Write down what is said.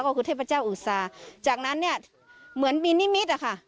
ก็คือเทพเจ้าอุตสาจากนั้นเนี่ยเหมือนมีนิมิตรอะค่ะ